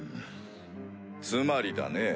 つまりだね